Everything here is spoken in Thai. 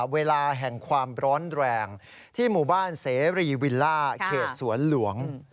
เวลาแห่งความร้อนแรงที่หมู่บ้านเสรีวิลล่าเขตสวนหลวง